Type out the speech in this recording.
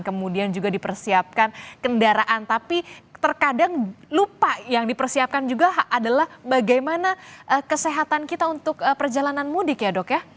kemudian juga dipersiapkan kendaraan tapi terkadang lupa yang dipersiapkan juga adalah bagaimana kesehatan kita untuk perjalanan mudik ya dok ya